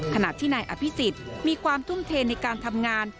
ขณะที่นายอภิษฎมีความทุ่มเทในการทำงาน